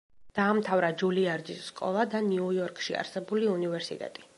დაამთავრა ჯულიარდის სკოლა და ნიუ-იორკში არსებული უნივერსიტეტი.